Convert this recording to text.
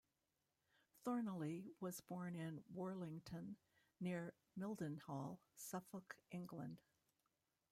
Thornalley was born in Worlington, near Mildenhall, Suffolk, England.